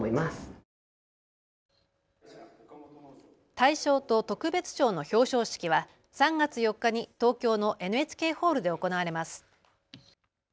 大賞と特別賞の表彰式は３月４日に東京のＮＨＫホールで行われます。